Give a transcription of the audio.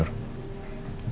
aku bisa mencoba